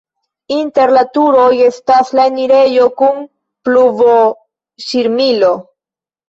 Inter la turoj estas la enirejo kun pluvoŝirmilo.